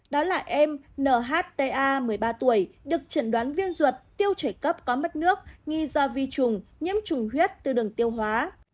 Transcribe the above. đó là em nhta một mươi ba tuổi được chẩn đoán viêm ruột tiêu chảy cấp có mất nước nghi do vi trùng nhiễm trùng huyết từ đường tiêu hóa